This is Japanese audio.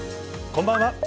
こんばんは。